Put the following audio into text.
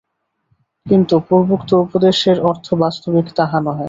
কিন্তু পূর্বোক্ত উপদেশের অর্থ বাস্তবিক তাহা নহে।